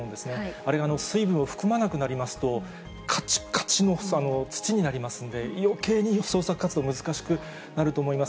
あれが水分を含まなくなりますと、かちかちの土になりますんで、よけいに捜索活動、難しくなると思います。